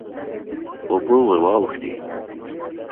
اوبه ور واوښتې.